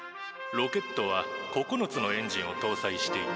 「ロケットは９つのエンジンを搭載していて」。